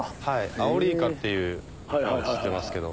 アオリイカっていうのを釣ってますけど。